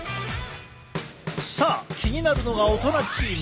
さあ気になるのが大人チーム。